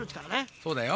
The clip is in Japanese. そうだよ。